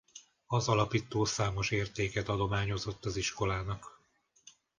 Az alapító számos értéket adományozott az iskolának.